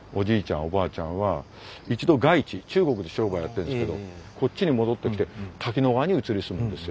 おばあちゃんは一度外地中国で商売をやってるんですけどこっちに戻ってきて滝野川に移り住むんですよ。